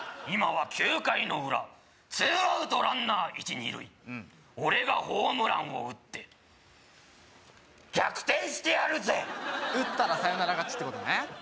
今は９回の裏ツーアウトランナー１２塁俺がホームランを打って逆転してやるぜ打ったらサヨナラ勝ちってことね